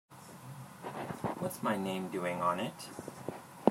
What's my name doing on it?